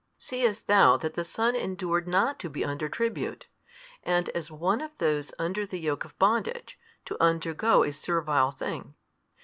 Seest thou that the Son endured not to be under tribute, and as one of those under' the yoke of bondage, to undergo a servile thing?